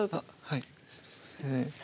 はい。